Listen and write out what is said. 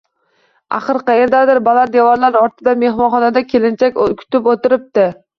Axir, qaerdadir, baland devorlar ortida, mehmonxonada kelinchak kutib o`tiribdi